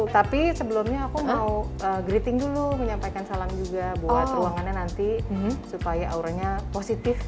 tapi sebelumnya aku mau greeting dulu menyampaikan salam juga buat ruangannya nanti supaya auranya positif